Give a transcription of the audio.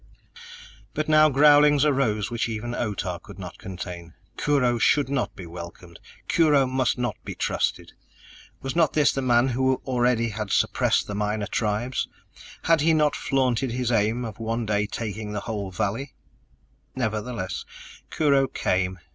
But now growlings arose which even Otah could not contain. Kurho should not be welcomed! Kurho must not be trusted! Was not this the man who already had suppressed the minor tribes? Had he not flaunted his aim of one day taking the whole valley? Nevertheless, Kurho came.